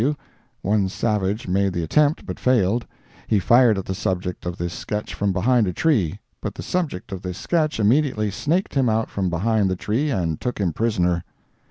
W.; one savage made the attempt, but failed; he fired at the subject of this sketch from behind a tree, but the subject of this sketch immediately snaked him out from behind the tree and took him prisoner.